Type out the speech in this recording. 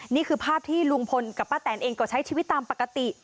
นี่คือภาพที่ลุงพลกับป้าแตนเองก็ใช้ชีวิตตามปกติ